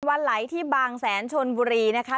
วันไหลที่บางแสนชนบุรีนะคะ